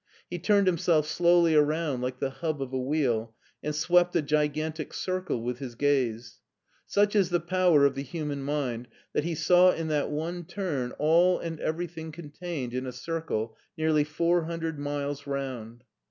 He turned himself slowly around like the hub of a wheel, and swept a gigantic circle with his gaze : such is the power of the human mind, that he saw in that one turn all and everything contained in a circle nearly four hundred miles round.